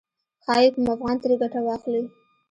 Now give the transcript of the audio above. ښايي کوم افغان ترې ګټه واخلي.